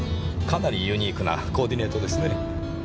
かなりユニークなコーディネートですね。